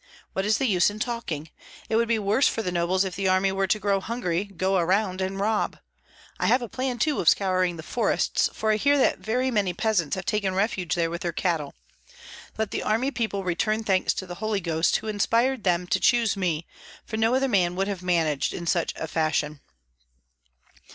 What is the use in talking! It would be worse for the nobles if the army were to grow hungry, go around and rob. I have a plan too of scouring the forests, for I hear that very many peasants have taken refuge there with their cattle. Let the army people return thanks to the Holy Ghost, who inspired them to choose me, for no other man would have managed in such fashion."